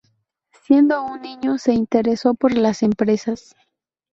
Siendo un niño se interesó por las empresas.